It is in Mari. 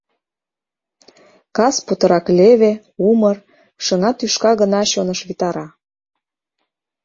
Кас путырак леве, умыр, шыҥа тӱшка гына чоныш витара.